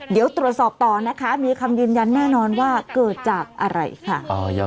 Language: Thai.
เดี๋ยวตรวจสอบต่อนะคะมีคำยืนยันแน่นอนว่าเกิดจากอะไรค่ะ